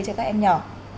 cho các em nhỏ